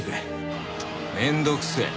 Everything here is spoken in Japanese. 面倒くせえ。